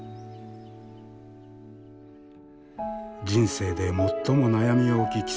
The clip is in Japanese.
人生で最も悩み多き